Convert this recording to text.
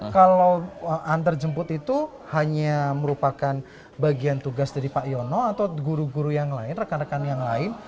kalau antarjemput itu hanya merupakan bagian tugas dari pak yono atau guru guru yang lain rekan rekan yang lain